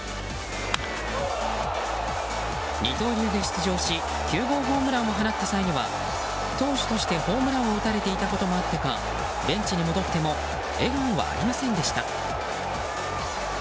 二刀流で出場し９号ホームランを放った際には投手としてホームランを打たれていたこともあってかベンチに戻っても笑顔はありませんでした。